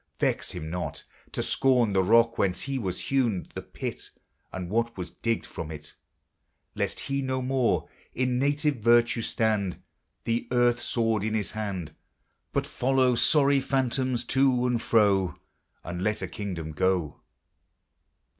Vex him not LABOR AND REST. 397 To scorn the rock whence he was hewn, the pit And what was digged from it ; Lest he no more in native virtue stand, The earth sword in his hand, But follow sorry phantoms to and fro, And let a kingdom go.